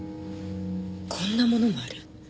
こんなものもある。